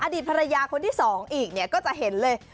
อดีตภรรยาคนที่๒อีกเนี่ยก็จะเห็นเลย